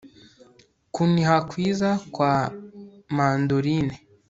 Kuniha kwiza kwa mandoline